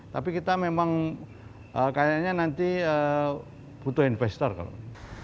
tapi kita memang kayaknya nanti butuh investor kalau